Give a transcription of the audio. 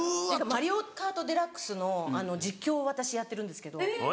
『マリオカートデラックス』の実況を私やってるんですけど。